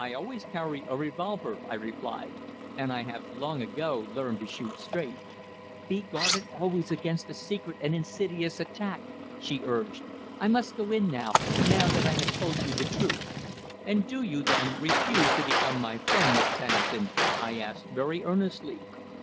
"I always carry a revolver," I replied, "and I have long ago learned to shoot straight." "Be guarded always against a secret and insidious attack," she urged. "I must go in now that I have told you the truth." "And do you, then, refuse to become my friend, Miss Pennington?" I asked very earnestly.